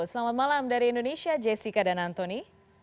selamat malam dari indonesia jessica dan antoni